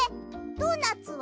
ドーナツは？